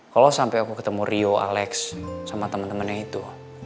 kalo sampe aku ketemu rio alex sama temen temennya itu